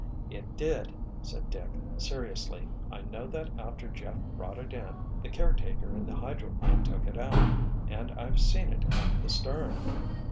"It did," said Dick, seriously. "I know that after Jeff brought it in, the caretaker in the hydroplane took it out—and I've seen it at the stern."